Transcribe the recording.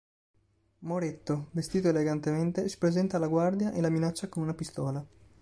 Moretto, vestito elegantemente, si presenta alla guardia e la minaccia con una pistola.